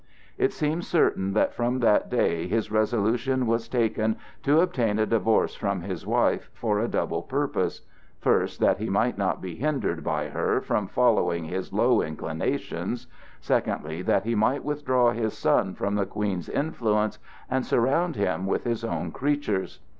It seems certain that from that day his resolution was taken to obtain a divorce from his wife for a double purpose: first, that he might not be hindered by her from following his low inclinations; second, that he might withdraw his son from the Queen's influence and surround him with his own creatures.